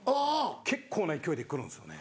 結構な勢いでくるんですよね。